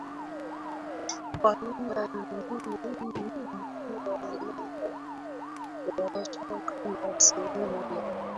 kwa lugha nyingine hii ilikuwa ni non combat operation Kama sehemu ya